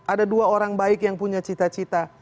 ada dua orang baik yang punya cita cita